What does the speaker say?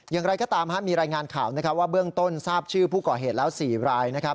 อย่างไรก็ตามมีรายงานข่าวว่าเบื้องต้นสาปชื่อภูเขาเหตุแล้ว๔ราย